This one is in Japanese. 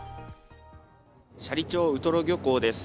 斜里町ウトロ漁港です。